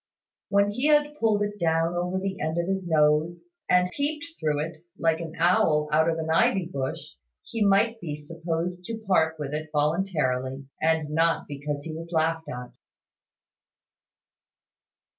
When he had pulled it down over the end of his nose, and peeped through it, like an owl out of an ivy bush, he might be supposed to part with it voluntarily, and not because he was laughed at.